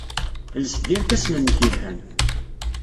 Els-d irkasen-nnek yelhan.